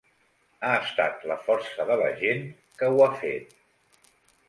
Ha estat la força de la gent que ho ha fet.